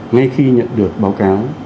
ngay khi nhận được báo cáo